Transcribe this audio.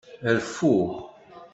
Rfu.